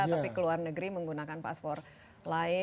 tapi ke luar negeri menggunakan paspor lain